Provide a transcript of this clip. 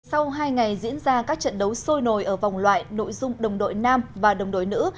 sau hai ngày diễn ra các trận đấu sôi nổi ở vòng loại nội dung đồng đội nam và đồng đội nữ